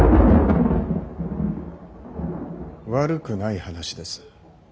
悪くない話です。